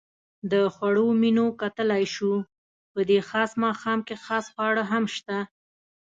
د خوړو منیو کتلای شو؟ په دې خاص ماښام کې خاص خواړه هم شته.